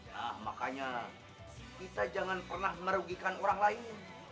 ya makanya kita jangan pernah merugikan orang lain